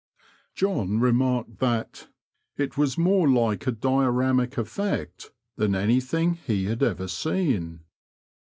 John remarked that '*it was more like a dioramic effect than anything he had ever seen."